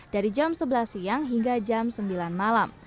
dari jam sebelas siang hingga jam sembilan malam